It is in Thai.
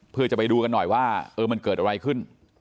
เพื่อจะไปดูกันหน่อยว่ามันเกิดอะไรขึ้น